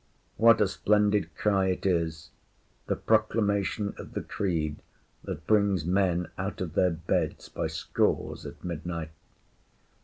’ What a splendid cry it is, the proclamation of the creed that brings men out of their beds by scores at midnight!